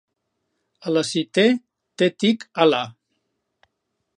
A la "citè" te tic Alà.